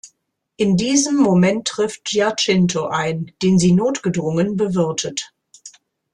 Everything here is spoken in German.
In diesem Moment trifft Giacinto ein, den sie notgedrungen bewirtet.